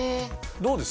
どうです？